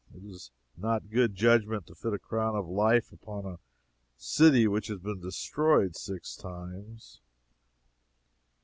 It is not good judgment to fit a crown of life upon a city which has been destroyed six times.